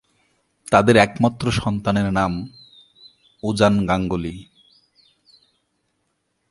তাদের একমাত্র সন্তানের নাম উজান গাঙ্গুলি।